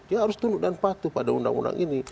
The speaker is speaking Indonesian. ya harus tunduk dan patuh pada undang undang ini